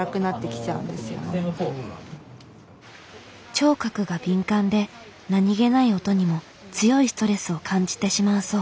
聴覚が敏感で何気ない音にも強いストレスを感じてしまうそう。